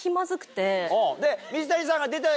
水谷さんが。